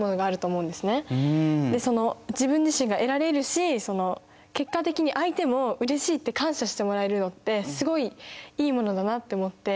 自分自身が得られるし結果的に相手もうれしいって感謝してもらえるのってすごいいいものだなって思って。